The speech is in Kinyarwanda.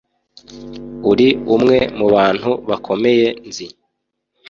uri umwe mubantu bakomeye nzi,